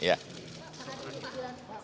pak adi kapanjilan